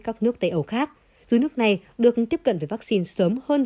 các nước tây âu khác dù nước này được tiếp cận với vaccine sớm hơn